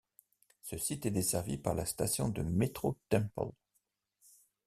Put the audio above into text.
Ce site est desservi par la station de métro Temple.